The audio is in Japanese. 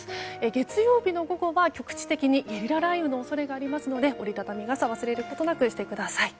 月曜日の午後は局地的にゲリラ雷雨の恐れがありますので折り畳み傘を忘れないでください。